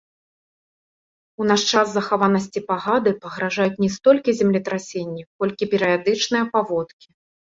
У наш час захаванасці пагады пагражаюць не столькі землетрасенні, колькі перыядычныя паводкі.